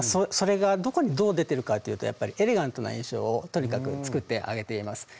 それがどこにどう出てるかというとやっぱりエレガントな印象をとにかく作ってあげています。